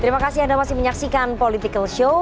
terima kasih anda masih menyaksikan political show